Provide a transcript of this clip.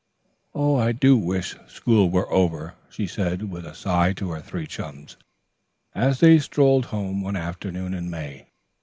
"I do wish school were over," she said with a sigh to her three chums, as they strolled home one afternoon in May.